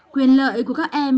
quyền lợi của các em